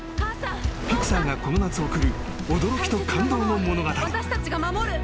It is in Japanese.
［ピクサーがこの夏送る驚きと感動の物語］